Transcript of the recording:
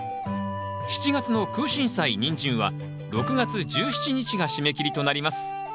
７月のクウシンサイニンジンは６月１７日が締め切りとなります。